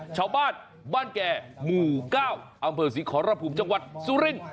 ชาวบ้านบ้านแก่หมู่ก้าวอัมเภอศิริขอรภูมิจังหวัดซุริน